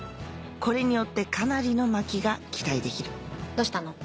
これによってかなりの巻きが期待できるどうしたの？